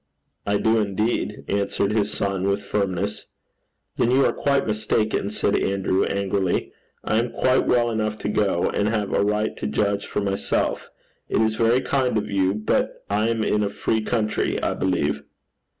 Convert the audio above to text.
'I do indeed,' answered his son with firmness. 'Then you are quite mistaken,' said Andrew, angrily. 'I am quite well enough to go, and have a right to judge for myself. It is very kind of you, but I am in a free country, I believe.'